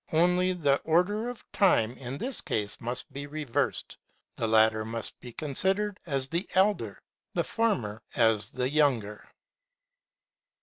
Only the order of time, in this case, must be reversed ; the latter must be considered as the elder, the former as the younger.